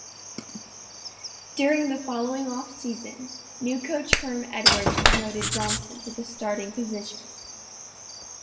During the following off-season, new coach Herm Edwards promoted Johnson to the starting position.